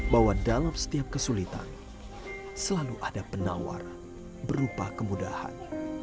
bahwa dalam setiap kesulitan selalu ada penawar berupa kemudahan